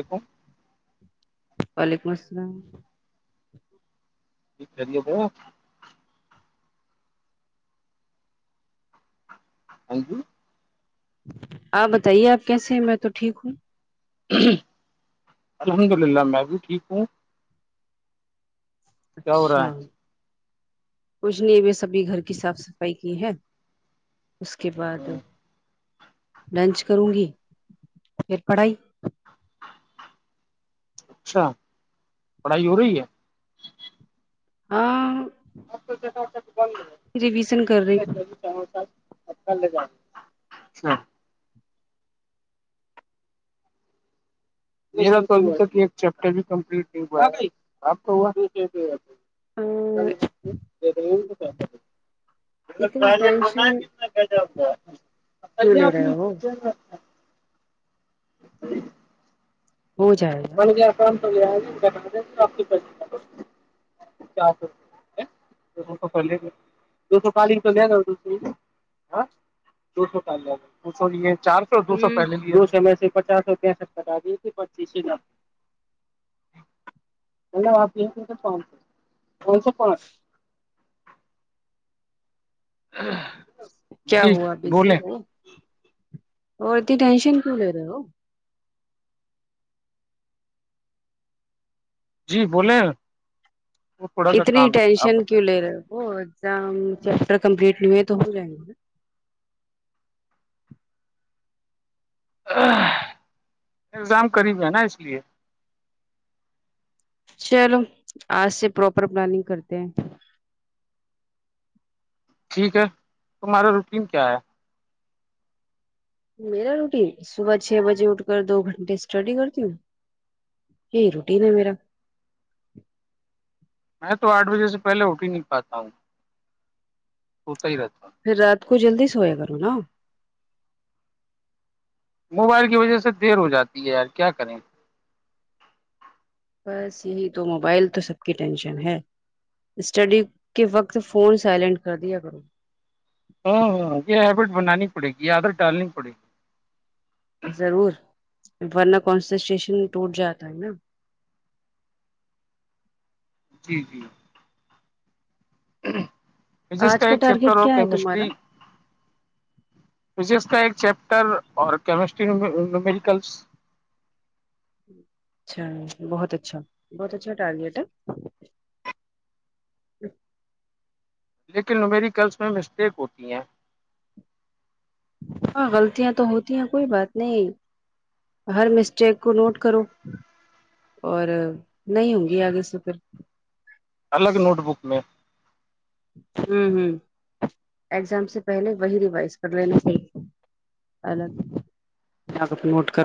یکم وعلیکم السلام ج کرریے ب ہاں جی آپ بتائیے آپ کیسے میں تو ٹھیک ہوں الحمد للہ میں بھی ٹھیک ہوں کیا ہو رہا اچھا کچھ نہیں میں سبھی گھر کی صاف صفائی کی ہے اس کے ہے بعد لنچ کروں گی پھر پڑھائی اچھا پڑھائی ہو رہی ہے ہاں م توا سے ایک بند ہو ریویژن کر رہی س متلے جا [unintelligible] میرا تو ابھی تک ایک چیپٹر بھی کمپلیٹ نہیں ب آپ کو پس اتنی ٹائلٹ بنا ہے ٹینشن کتنا خجاب گ کیوں ے لے آپ رہے ہو [unintelligible] ہو جائے گا د آپ کے کر سوو تو تو پہلے دو سو پالی سو لے جاؤ دو سو دو سو پالی لاؤ دو سو یہ چار سو سو دو سو ہوں پہلے ر س میں سے پچاس سو پینسھ کرتا دی ت پچیس ہزاک ملب آپ ل کو سے پانچ کون سو پانچ [inaudible] ہاں کیا ہوا بزی ہے اور ت ٹینشن کیوں لے رہے ہو جی بولیں وہ تھوڑا سا اتنی کام تھا آپ ٹینشن کیوں بتائیں لے رہے ہو وہ ایگزام چیپٹر کمپلیٹ نہیں ہے تو ہو جائیں گے نا ایگزام قریب ہے نا اس لیے چلو آج سے پراپر پلاننگ کرتے ہیں ٹھیک ہے تمہارا روٹین کیا ہے میرا روٹین صبح چھ بجے اٹھ کر دو گھنٹے اسٹڈی کرتی ہوں یہی روٹیین ہے میرا میں تو آٹھ بجے سے پہلے اٹ ہی نہیں پاتا ہوں سوتا ہی رہتا پھر رات کو جلدی سویا کرو نا موبائل کی وجہ سے دیر ہو جاتی ہے یار کیا کریں بس یہی تو موبائل تو سب کی ٹینشن ہے اسٹڈی کے وقت فون سائلنٹ کر دیا کرو ہاں ہ یہ ہیبٹ بن نانیگییادر ڈالک کوی ضرور ورنہ کنسنسٹشن ٹوٹ جاتا ہے نا جی جی فزکس آج کا ایک چیپٹر ٹارگیٹ اور کیا ہے تمہارا کیمسٹری فزکس کا ایک چیپٹر اور کیمسٹری نومیریکلس اچھا بہت اچھا بہت اچھا ٹارگیٹ ہے لیکن میری کلس میں مسٹیک ہوتی ہیں ہاں غلطیاں تو ہوتی ہیں کوئی بات نہیں ہر مسٹیک کو نوٹ کرو اور نہیں ہوں گی آگے سے پھر الگ نوٹ بک میں ہوں ہوں اگزام سے پہلے وہی ریوائز کر لینا چاہی اٹ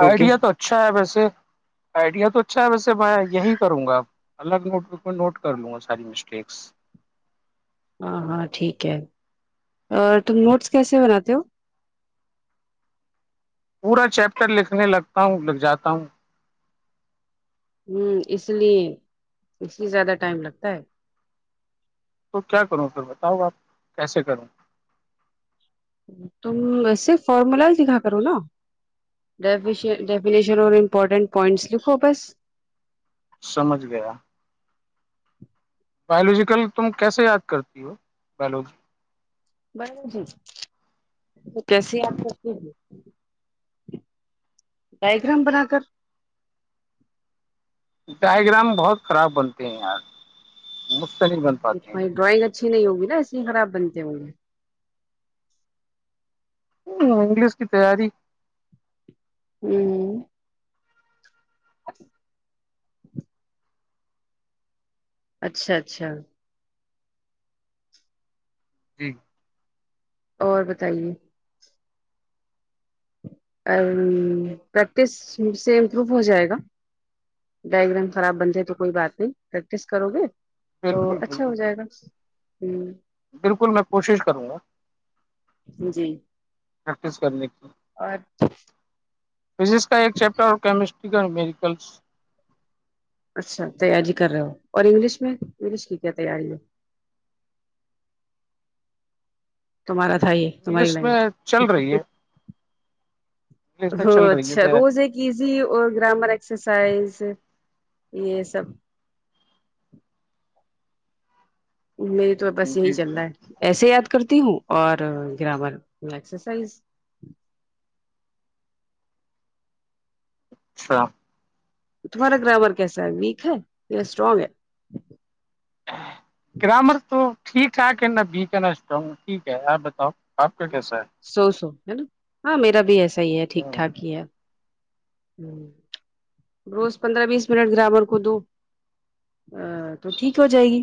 آئیڈیا تو اچھا ہے ویسے آئیڈیا تو اچھا ہے ویسے میں یہی کروں گا الگ نوٹ بک میں نوٹ کر لوں گا ساری مسٹیکس ہاں ہاں ٹھیک ہے اور تم نوٹس کیسے بناتے ہو پورا چیپٹر لکھنے لگتا ہوں لکھ جاتا ہوں ہوں اس لیے اس لیے زیادہ ٹائم لگتا ہے تو کیا کروں پھر بتاؤ آپ کیسے کروں تمے فارمولا ہی دکھا کرو نا ڈ ڈیفنیشن و امپورٹنٹ پوائنٹس ل خوبس سمجھ گیا باولوجیکل تم کیسے یاد کرتی ہو باولوجی ب جی تو کیسے ہاں آپ کرتی ڈائ گگرام بنا کر ڈائیگرام بہت خراب بنتے ہیں یار مستلف بنتے بھائی ڈرائنگ اچھی نہیں ہوگی نا اسے خراب بنتے ہو گے ہ انگلش کی تیاری ہوں [unintelligible] اچھ [unintelligible] اچھا اچھا جی اور بتائیے اور پریکٹس مجھ سے امپروو ہو جائے گا ڈائگرام خراب بنتے تو کوئی بات نہیں پریکٹس کرو گے تو بالکل اچھا بالکل ہو جائے گا ہ بالکل میں کوشش کروں گا جی پریکٹس کرنے کی [unintelligible] [unintelligible] اور [unintelligible] [unintelligible] فزکس کا ایک چیپٹر اور کیمسٹری کا میریکلس اچھا تیاری کر رہے ہو اور انگلش میں انگلش کی کیا تیاری ہے توارا تھاائی تاری انگلش لائن میں چل رہی ہے انگلش میں ہاں چل رہی ہے اچھا روز تیاری ایک کیزی اور گرامر ایکسرسائز یہ سب میری تو بس یہی جی چل جی رہا ہے ایسے یاد کرتی ہوں اور گرامرسرسائز اچھا [unintelligible] [unintelligible] تمہارا گرامر کیسا ہے ویک ہے یا اسٹرانگ ہے ہ [unintelligible] [unintelligible] گرامر تو ٹھیک ٹھاک ہے نہ بی کا نہ اسٹرانگ ٹھیک ہے آپ بتاؤ آپ کا کیسا ہے سو سو ہے نا ہاں میرا بھی ایسا ہی ہے ٹھیک ٹھاک ہی ہے ہ روز پندرہ بیس منٹ گرامر کو دو ا تو ٹھیک ہو جائے گی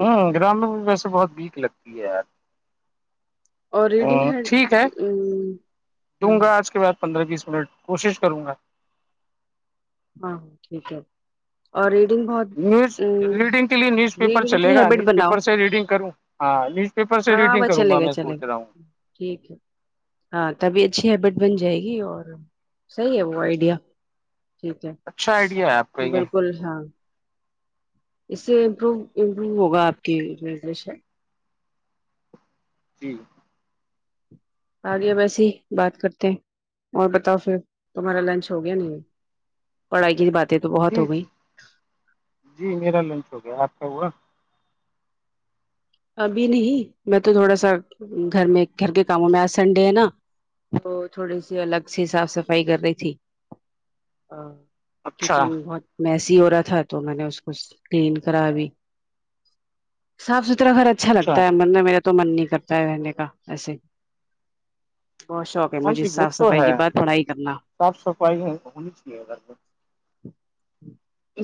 ہوں گرام میں بھی ویسے بہت ویک لگتی ہے یار اور ریڈنگ ہیڈ ٹھیک ہے ہ [unintelligible] دوں [unintelligible] گا آج کے بعد پندرہ بیس منٹ کوشش کروں گا ہاں ہاں ٹھیک ہے اور ریڈنگ بہت [unintelligible] نیوز ریڈنگ کے لیے نیوز پیپر ریڈنگ چلے کی گا ہیبٹ نیوز بناؤ پیپر سے ریڈنگ کروں ہاں نیوز پیپر سے ہاں ریڈنگ وہ کروں گا چلے میں چلے سوچ رہا ہوں گا ٹھیک ہے [unintelligible] [unintelligible] ہاں تبھی اچھی ہیبٹ بن جائے گی اور صحیح ہے وہ آئیڈیا ٹھیک ہے اچھا آئیڈیا ہے آپ کا یہ بالکل ہاں اس سے امپو امپروو ہوگا آپ کییشن جی [unintelligible] [unintelligible] آ گیا ویس ہی بات کرتے ہیں اور بتاؤ پھر تمہارا لنچ ہو گیا نہیں پڑھائی کی باتیں تو بہت ہو جی گئی جی میرا لنچ ہو گیا آپ کا ہوا ابھی نہیں میں تو تھوڑا سا گھر میں گھر کے کاموں میں آج سنڈے ہے نا تو تھوڑی سی الگ سے صاف صفائی کر رہی تھی ا اچھا کچن بہت [unintelligible] میںیسی ہو رہا تھا تو میں نے اس کو کلین کرا بھی صاف ست گھر اچھا لگتا ہے بندر میرا تو من نہیں کرتا ہے رہنے کا ایسے بہت شوق ہاں مجھے جی وہ صاف تو صفائی کے ہے بع تھوڑا ہی کرنا صاف صفائی ہونی چاہیے گھر پ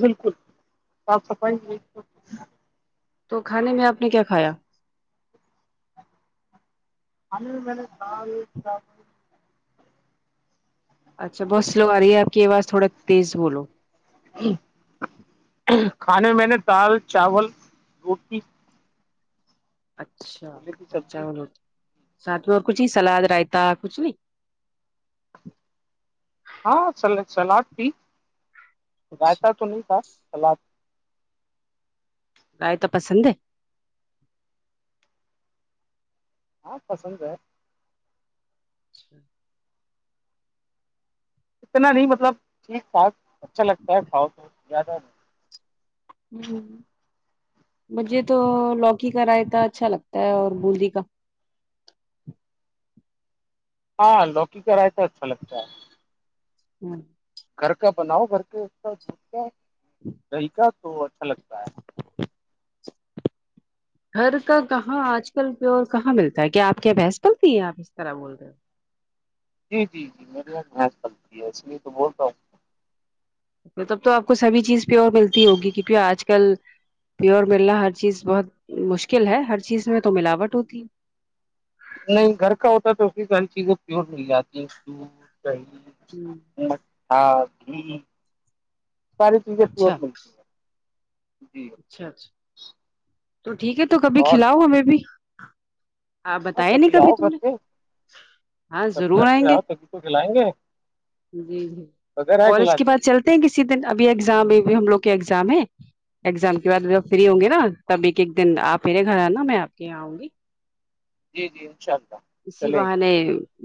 بالکل ڈ [unintelligible] تو کھانے میں آپ نے کیا کھایا آ م [unintelligible] اچھا بہت سلو آ رہی ہے آپ کی آواز تھوڑا تیز بولو کھانے میں میں نے دال چاول روٹی اچھا چھولے کی چا سبزی ساتھ میں اور کچھ ہی سلاد رائتا کچھ نہیں ہاں سلاد تھی اچھا رائتا تو نہیں تھا سلاد [unintelligible] گائے تو پسند ہے ہاں پسند ہے [unintelligible] اتنا نہیں مطلب ٹھیک ٹھاک اچھا لگتا ہے کھاؤ تو زیادہ نہیں مجھے تو لوکی کا رائےتا اچھا لگتا ہے اور بندی کا ہاں لوکی کرا تو اچھا لگتا ہے [unintelligible] ہاں [unintelligible] گھر کا بناؤ گھر کے اس کا د کا دہ کا تو اچھا لگتا ہے [inaudible] [inaudible] گھر کا کہاں آج کل پ کہاں ملتا ہے کیا آپ کی بحس بلتی ہے آپ اس طرح بول رہے ہو [unintelligible] جی جی جی میرے یہاں بھینس چلتی ہے اس لیے تو بول رہا ہوں مطلب تو آپ کو سبھی چیز پیور ملتی ہوگی کیک آج کل پیور ملنا ہر چیز بہت مشکل ہے ہر چیز میں تو ملاوٹ ہوتی ہے نہیں گھر کا ہوتا تو اس کی سر چیزیں پیور مل جاتی ہے دودھ ہ دہی [unintelligible] مھا گھی [unintelligible] ساری چیزیں ف اچھا ملتی ہیں جی [unintelligible] اچھا اچھا تو ٹھیک ہے تو کبھی اور کھلاؤ ہمیں بھی [unintelligible] آپ ہاں بتیا نہیں کبھی آؤ تم گھر نے سے ہاں کبھی ضرور گھر پہ آئیں گے آؤ تبھی تو کھلائیں گے [unintelligible] جی جی بغیر آئے کالج کھلا کی دیں بعات چلتے ہیں کسی دن ابھی ایگزام بھی ہم لوگ کے ایگزام ہے ایگزام کے بعد ج فری ہوں گی نا تب ایک ایک دن آپ میرے گھر آ نا میں آپ کے یہاں آؤں گی گے جی جی ان شاء اللہ [unintelligible] اسی چلیں گے بہانے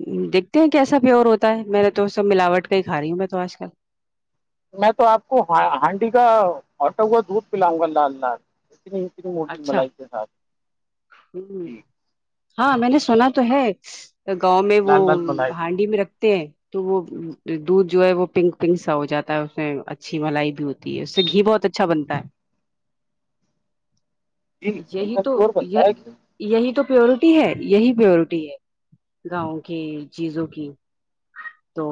[unintelligible] دیکھتے ہیں کیسا پیور ہوتا ہے میں نے تو سب ملاوٹ کا ہی کھ رہی ہوں میں تو آج کل میں تو آپ کو ہ ہانڈی کا آٹا ہوا دودھ پلاؤں گا لال لال [unintelligible] اتنی اتنی موٹی مل اچھا اس کے ساتھ [unintelligible] جی ہاں میں نے سونا تو ہے تو گاؤں میں وہ لال لال ملائی ہانڈی میں رکھتے ہیں تو وہ دودھ جو ہے وہ پنک پنک سا ہو جاتا ہے اس میں اچھی ملائی بھی ہوتی ہے ہوتی ہے اس سے گھی بہت اچھا بنتا ہے جی ایک یہی دم تو پیور بنتا یہ ہے یہی تو پیورٹی ہے یہی پیورٹی ہے گاؤں کی چیزوں کی تو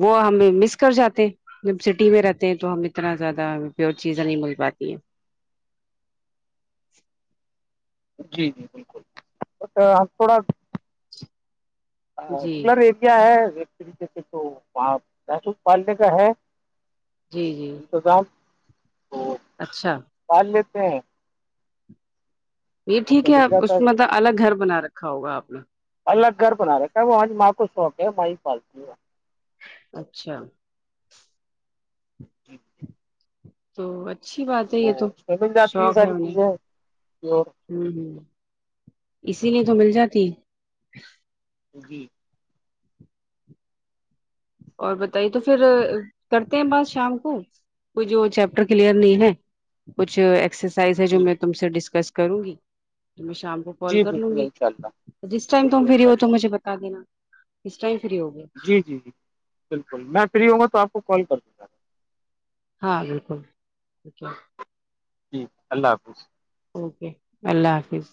وہ ہمیں مس کر جاتے جب سٹی میں رہتے ہیں تو ہم اتنا زیادہ پیور چیزیں نہیں مل پاتی ہیں جی جی بالکل تھوڑا جی رورر ایریا ہے ایک طریقے سے تو پس پالنے کا ہے جی جی [unintelligible] انتظام تو [unintelligible] اچھا پال لیتے ہیں یہ اس ٹھیک میں مل ہے اس جاتا سب میںلب کچھ الگ گھر بنا رکھا ہوگا آپ نے [unintelligible] الگ گھر بنا رہے ہے وہج ماں کو شوق ہے میںاں ہی پالتی ہ [unintelligible] اچھا جی ج جی [inaudible] تو اچھی بات ہے یہ تو میں مل جاتی شوق ہے ساری انہیں چیزیں پیور [unintelligible] ہوں ہ اسی لیے تو مل جاتی [unintelligible] جی اور بتائیے تو پھر کرتے ہیں بات شام کو کچ جو چیپٹر کلیئر نہیں ہے کچھ [unintelligible] ایکسرسائز ہے جو جی میں تم سے ڈسکس کروں گی میں شام کو کال جی کر لوں بالکل گی ان شاء اللہ جس ٹائم تم بالکل ان فری شاء ہو تو اللہ مجھے بتا دینا کس ٹائم فری ہو گئے جی جی جی بالکل میں فری ہوں گا تو آپ کو کال کرتاوں [unintelligible] ہاں بالکلک جی اللہ حافظ اوکے اللہ حافظ